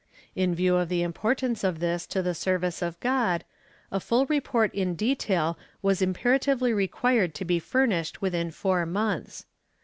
In view of the importance of this to the service of God, a full report in detail was imperatively required to be furnished within four months.